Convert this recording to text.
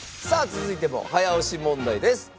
さあ続いても早押し問題です。